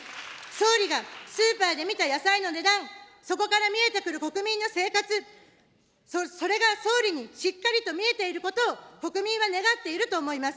総理がスーパーで見た野菜の値段、そこから見えてくる国民の生活、それが総理にしっかりと見えていることを国民は願っていると思います。